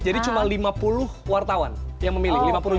jadi cuma lima puluh wartawan yang memilih